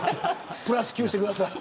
プラス９してください。